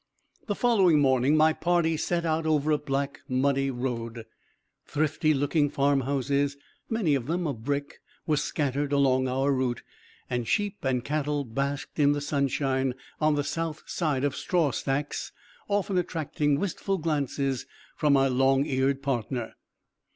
The following morning my party set out over a black muddy road. Thrifty looking farm houses, many of them of brick, were scattered along our route, and sheep and cattle basked in the sunshine on the south side of strawstacks, often attracting wistful glances from my long eared partner.